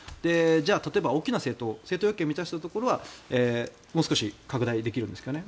例えば大きな政党政党要件を満たしたところはもう少し拡大できるんですかね。